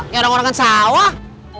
gak ada orang yang sawah